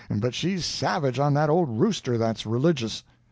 but she's savage on that old rooster that's religious!